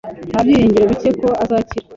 Nta byiringiro bike ko azakira